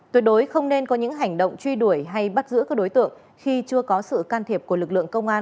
tuyệt đối không nên có những hành động truy đuổi hay bắt giữ các đối tượng khi chưa có sự can thiệp của lực lượng công an